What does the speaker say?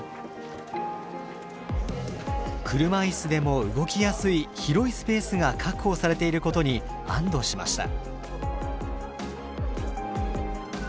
車いすでも動きやすい広いスペースが確保されていることに安堵しました。